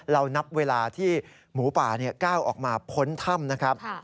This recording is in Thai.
เรานับเวลาที่หมูปะก้าวออกมาพ้นถ้ำ